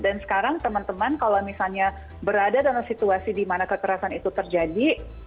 dan sekarang teman teman kalau misalnya berada dalam situasi di mana kekerasan itu terjadi